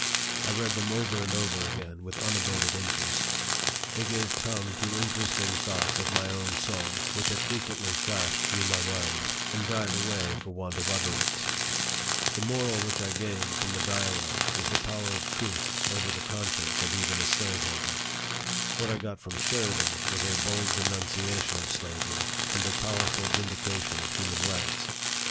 I read them over and over again with unabated interest. They gave tongue to interesting thoughts of my own soul, which had frequently flashed through my mind, 40 NARRATIVE OF THE and died away for want of utterance. The mora, which I gained from the dialogue was the power of truth over the conscience of even a slaveholder. What I got from Sheridan was a bold denunciation of slavery, and a powerful vindication of human rights.